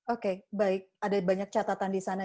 oke baik ada banyak catatan di sana